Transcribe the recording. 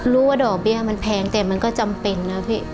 ว่าดอกเบี้ยมันแพงแต่มันก็จำเป็นนะพี่